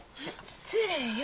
失礼よ。